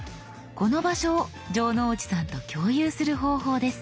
この場所を城之内さんと共有する方法です。